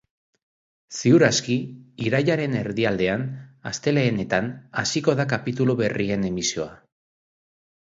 Ziur aski, irailaren erdialdean, astelehenenetan, hasiko da kapitulu berrien emisioa.